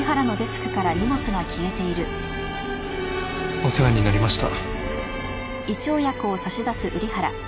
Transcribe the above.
お世話になりました。